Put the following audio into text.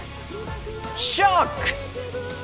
ショック！